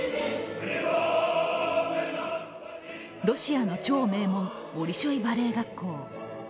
ロシアの超名門ボリジョイバレエ学校。